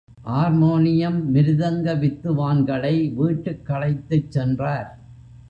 Harmonium, மிருதங்க வித்துவான்களை வீட்டுக்கழைத்துச் சென்றார்.